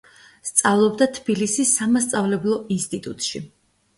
სწავლობდა თბილისის სამასწავლებლო ინსტიტუტში.